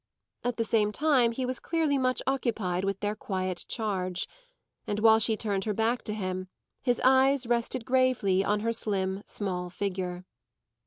At the same time he was clearly much occupied with their quiet charge, and while she turned her back to him his eyes rested gravely on her slim, small figure.